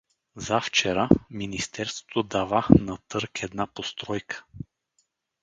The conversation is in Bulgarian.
Завчера министерството давa` на търг една постройка.